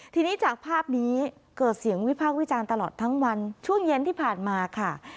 ทีนี้จากภาพนี้เกิดเสียงวิพากษ์วิจารณ์ตลอดทั้งวันช่วงเย็นที่ผ่านมาค่ะ